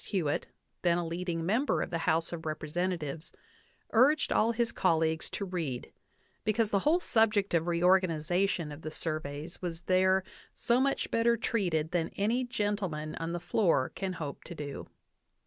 Hewitt, then a leading member of the House of Representatives, urged all his colleagues to read, because the whole subject of reorganization of the surveys was there "so much better treated than any gentleman on the floor can hope to do."